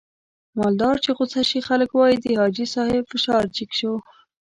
مالدار چې غوسه شي خلک واي د حاجي صاحب فشار جګ شو.